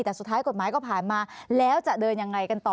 แต่สุดท้ายกฎหมายก็ผ่านมาแล้วจะเดินยังไงกันต่อ